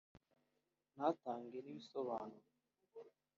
ntatange n’ibisobanuro